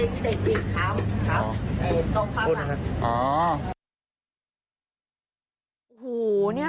ครับตรงภาพนั้นครับอ๋อตรงภาพนั้นครับ